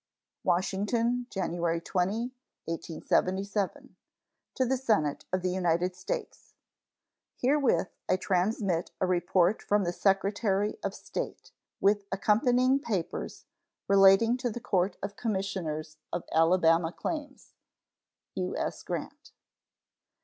WASHINGTON, January 20, 1877. To the Senate of the United States: Herewith I transmit a report from the Secretary of State, with accompanying papers, relating to the Court of Commissioners of Alabama Claims. U.S. GRANT.